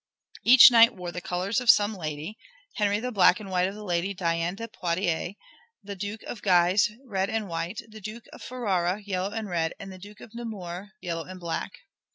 Each knight wore the colors of some lady, Henry the black and white of the Lady Diane de Poitiers, the Duke of Guise red and white, the Duke of Ferrara yellow and red, the Duke of Nemours yellow and black.